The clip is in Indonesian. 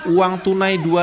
uang tunai dua rupiah